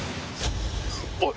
おい！